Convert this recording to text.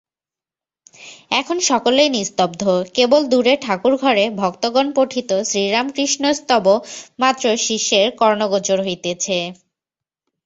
এখন সকলেই নিস্তব্ধ, কেবল দূরে ঠাকুরঘরে ভক্তগণপঠিত শ্রীরামকৃষ্ণস্তব-মাত্র শিষ্যের কর্ণগোচর হইতেছে।